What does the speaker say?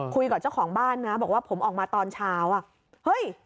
คุยกับเจ้าของบ้านนะบอกว่าผมออกมาตอนเช้าอ่ะเฮ้ย